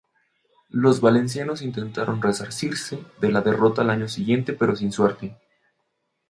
Los valencianos intentaron resarcirse de la derrota al año siguiente, pero sin suerte.